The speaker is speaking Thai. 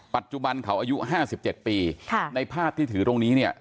ปัจจุบันเขาอายุห้าสิบเจ็ดปีค่ะในภาพที่ถือตรงนี้เนี้ย